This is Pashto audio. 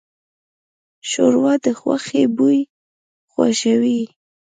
ښوروا د غوښې بوی خوږوي.